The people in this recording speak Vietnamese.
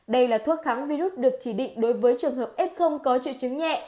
đây là thuốc kháng virus được chỉ định đối với trường hợp f có triệu chứng nhẹ